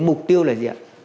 mục tiêu là gì ạ